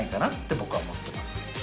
僕は思ってます